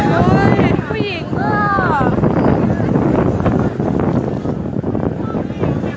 นั่นลูกโอ้โหโดนยิง